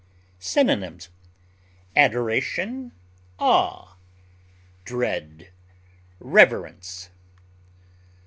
Synonyms: adoration, awe, dread, reverence.